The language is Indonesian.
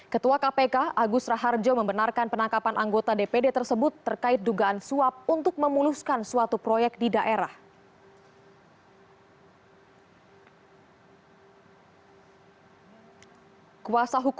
ketua kpk agus raharjo membenarkan penangkapan anggota dpd tersebut terkait dugaan suap untuk memuluskan suatu proyek di daerah